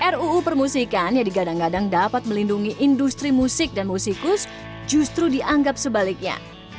ruu permusikan yang digadang gadang dapat melindungi industri musik dan musikus justru dianggap sebaliknya